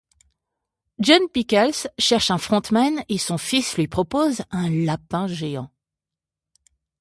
John Pickles cherche un frontman et son fils lui propose un lapin géant.